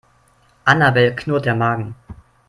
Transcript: Annabel knurrt der Magen.